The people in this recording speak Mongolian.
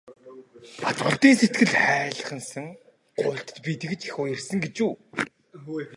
Батболдын сэтгэл хайлгасан гуйлтад би тэгж их уярсан гэж үү.